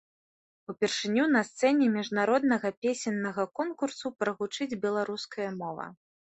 Упершыню на сцэне міжнароднага песеннага конкурсу прагучыць беларуская мова.